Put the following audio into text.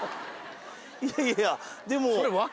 いやいやでも。